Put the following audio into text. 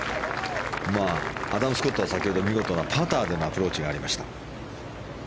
アダム・スコットは先ほど見事なパターでのアプローチがありました。